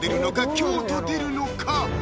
凶と出るのか？